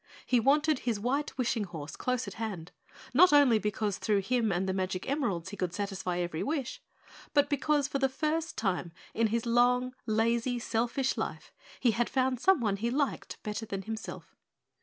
He wanted his white wishing horse close at hand, not only because through him and the magic emeralds he could satisfy every wish, but because for the first time in his long, lazy, selfish life he had found someone he liked better than himself.